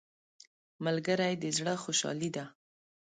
ملګری د زړه خوشحالي ده